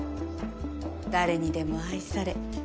誰にでも愛され。